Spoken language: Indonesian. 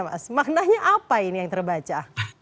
mas maknanya apa ini yang terbaca